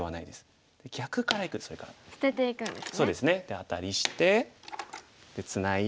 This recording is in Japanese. アタリしてツナいで。